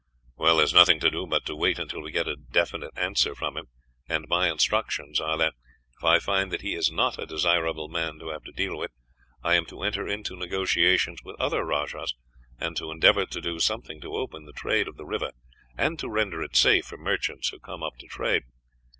"Well, there is nothing to do but to wait until we get a definite answer from him; and my instructions are that, if I find that he is not a desirable man to have to deal with, I am to enter into negotiations with other rajahs, and to endeavor to do something to open the trade of the river and to render it safe for merchants who come up to trade.